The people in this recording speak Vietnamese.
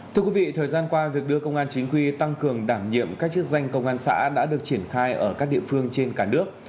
thưa quý vị thời gian qua việc đưa công an chính quy tăng cường đảm nhiệm các chức danh công an xã đã được triển khai ở các địa phương trên cả nước